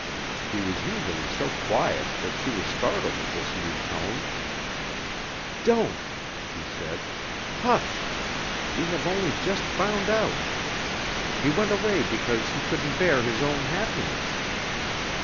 He was usually so quiet that she was startled at this new tone. "Don't," she said. "Hush! We have only just found out. He went away because he couldn't bear his own happiness.